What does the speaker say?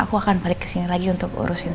aku akan balik ke sini lagi untuk urusin